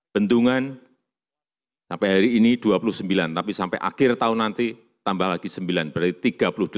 bendungan sampai hari ini dua puluh sembilan tapi sampai akhir tahun nanti tambah lagi sembilan berarti tiga puluh delapan